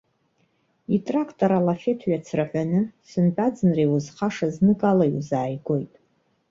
Итрақтор алафеҭ ҩацраҳәаны, сынтәа аӡынра иузхаша зныкала иузааигоит.